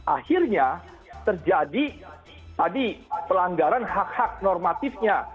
akhirnya terjadi pelanggaran hak hak normatifnya